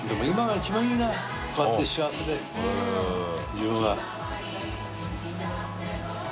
自分は。